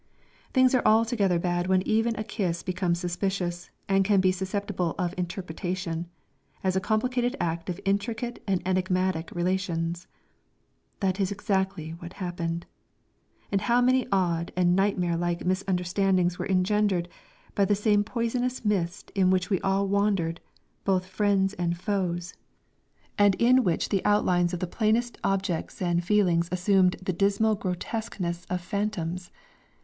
Things are altogether bad when even a kiss becomes suspicious and can be susceptible of "interpretation," as a complicated act of intricate and enigmatic relations! That is exactly what happened. And how many odd and nightmare like misunderstandings were engendered by the poisonous mist in which we all wandered, both friends and foes, and in which the outlines of the plainest objects and feelings assumed the dismal grotesqueness of phantoms.